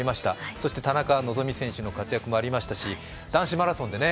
そして、田中希実選手の活躍もありましたし、男子マラソンでね